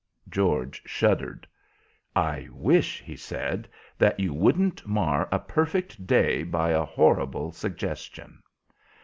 George shuddered. "I wish," he said, "that you wouldn't mar a perfect day by a horrible suggestion."